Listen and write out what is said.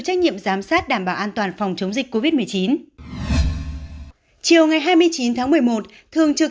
trách nhiệm giám sát đảm bảo an toàn phòng chống dịch covid một mươi chín chiều ngày hai mươi chín tháng một mươi một thường trực